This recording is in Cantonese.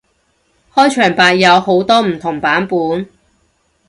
開場白有好多唔同版本